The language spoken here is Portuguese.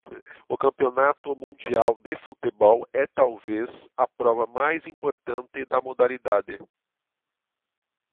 O Campeonato Mundial de Futebol é talvez a prova mais importante da modalidade.